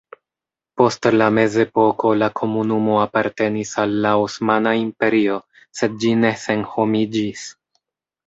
Post la mezepoko la komunumo apartenis al la Osmana Imperio sed ĝi ne senhomiĝis.